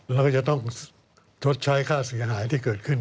เราก็จะต้องชดใช้ค่าเสียหายที่เกิดขึ้น